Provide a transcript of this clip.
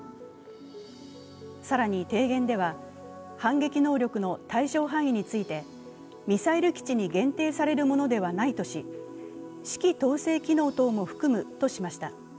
更に提言では反撃能力の対象範囲についてミサイル基地に限定されるものではないとし、指揮統制機能等も含むとしました。